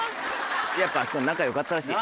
やっぱあそこは仲良かったらしい。